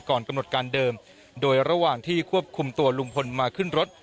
กำหนดการเดิมโดยระหว่างที่ควบคุมตัวลุงพลมาขึ้นรถ